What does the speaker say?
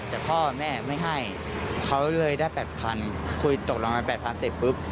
แต่พ่อแม่ไม่ให้เขาเลยได้๘พันคุยตกลงมา๘พันแต่ปุ๊บ